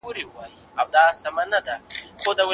بزګر په پوره ډاډ وویل چې هڅې هېڅکله نه ضایع کېږي.